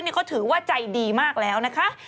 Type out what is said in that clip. เขาถือว่าใจดีมากแล้วนะคะ